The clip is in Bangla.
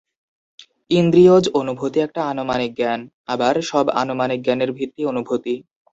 ইন্দ্রিয়জ অনুভূতি একটা আনুমানিক জ্ঞান, আবার সব আনুমানিক জ্ঞানের ভিত্তি অনুভূতি।